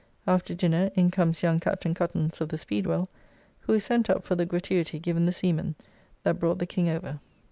After dinner in comes young Captain Cuttance of the Speedwell, who is sent up for the gratuity given the seamen that brought the King over.